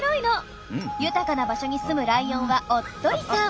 豊かな場所に住むライオンはおっとりさん。